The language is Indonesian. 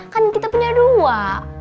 kan kita punya dua